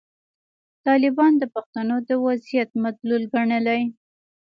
طالبان د پښتنو د وضعیت مدلول ګڼلي.